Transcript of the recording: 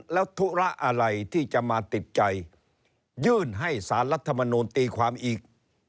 แล้วธุระอะไรที่จะมาติดใจยื่นให้สารรัฐมนูลตีความอีก